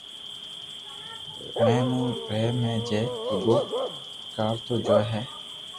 جي مون رمي ھي ھين رگو ڪارٽون جوئي ھي